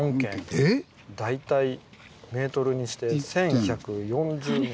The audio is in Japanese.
えっ⁉大体メートルにして１，１４０ｍ。